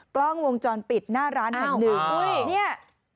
กล้องวงจรปิดหน้าร้านแห่งหนึ่งเนี่ย